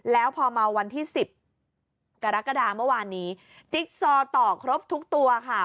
แล้วพอมาวันที่๑๐กรกฎาเมื่อวานนี้จิ๊กซอต่อครบทุกตัวค่ะ